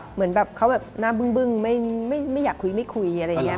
เหมือนแบบเขาแบบหน้าบึ้งไม่อยากคุยไม่คุยอะไรอย่างนี้